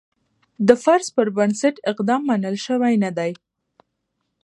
د فرض پر بنسټ اقدام منل شوی نه دی.